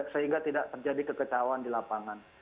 sehingga tidak terjadi kekecauan di lapangan